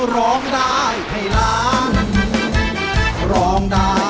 โรงได้ให้ล้าน